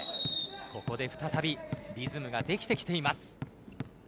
ここで再びリズムができてきています。